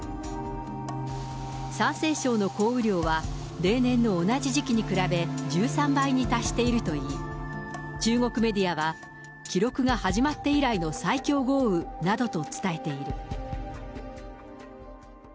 山西省の降雨量は例年の同じ時期に比べ、１３倍に達しているといい、中国メディアは、記録が始まって以来の最強豪雨などと伝えている。